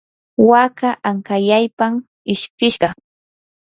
waka ankallaypam ishkishqa.